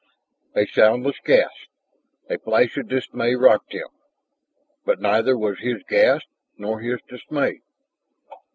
A soundless gasp, a flash of dismay rocked him, but neither was his gasp nor his dismay.